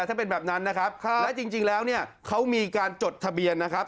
ถ้าเป็นแบบนั้นนะครับและจริงแล้วเนี่ยเขามีการจดทะเบียนนะครับ